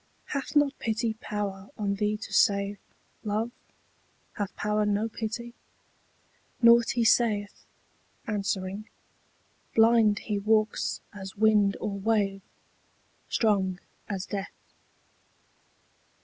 Hath not pity power on thee to save, Love? hath power no pity? Nought he saith, Answering: blind he walks as wind or wave, Strong as death.